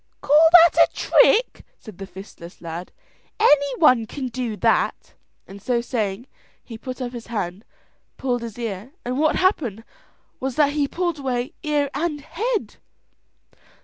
"Call that a trick," said the fistless lad, "any one can do that," and so saying, he put up his hand, pulled his ear, and what happened was that he pulled away ear and head.